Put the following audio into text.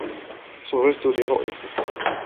سررتُ لرؤيتكِ.